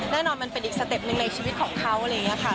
นั่งอ่อมันเป็นอีกสเต็ปหนึ่งในชีวิตของเขา